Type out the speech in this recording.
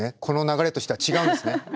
この流れとしては違うんですね。